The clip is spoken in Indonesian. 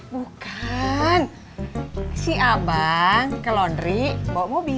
bukan si abang ke laundry bawa mobil